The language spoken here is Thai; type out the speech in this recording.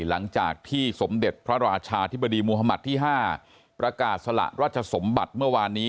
หลังจากที่สมเด็จพระราชาธิบดีมุธมัติที่๕ประกาศสละราชสมบัติเมื่อวานนี้